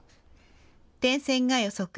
点線が予測。